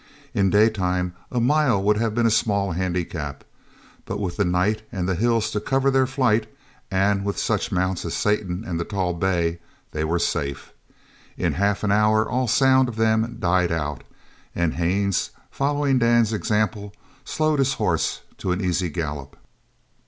In daytime a mile would have been a small handicap, but with the night and the hills to cover their flight, and with such mounts as Satan and the tall bay, they were safe. In half an hour all sound of them died out, and Haines, following Dan's example, slowed his horse to an easy gallop.